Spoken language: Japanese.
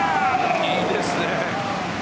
いいですね。